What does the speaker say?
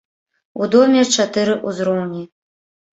У доме чатыры ўзроўні.